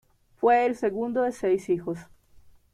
Fue el segundo de seis hijos.